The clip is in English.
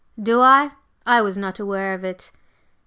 "Do I? I was not aware of it.